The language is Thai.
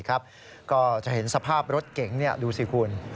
ก็จะเห็นสภาพรถเก๋งดูสิคุณ